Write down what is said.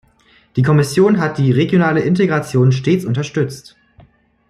Die Kommission hat die regionale Integration stets unterstützt.